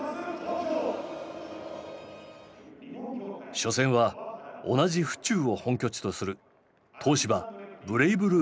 初戦は同じ府中を本拠地とする東芝ブレイブルーパス東京。